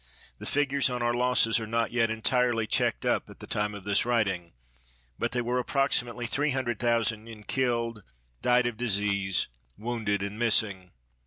The figures on our losses are not yet entirely checked up at the time of this writing, but they were approximately 300,000 in killed, died of disease, wounded, and missing.